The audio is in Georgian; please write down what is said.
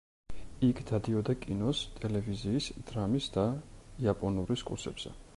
იქ დადიოდა კინოს, ტელევიზიის, დრამის და იაპონურის კურსებზე.